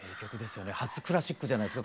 初クラシックじゃないですかこの番組。